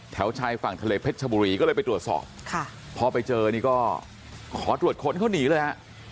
ชายฝั่งทะเลเพชรชบุรีก็เลยไปตรวจสอบพอไปเจอนี่ก็ขอตรวจค้นเขาหนีเลยฮะ